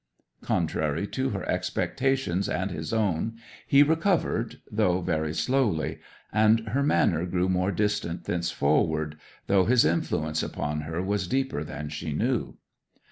'Contrary to her expectations and his own he recovered, though very slowly; and her manner grew more distant thenceforward, though his influence upon her was deeper than she knew.